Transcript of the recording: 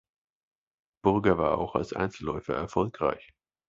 Burger war auch als Einzelläufer erfolgreich.